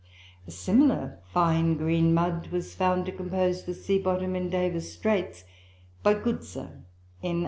A similar "fine green mud" was found to compose the sea bottom in Davis Straits by Goodsir in 1845.